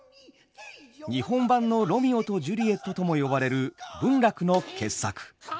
日本版の「ロミオとジュリエット」とも呼ばれる文楽の傑作。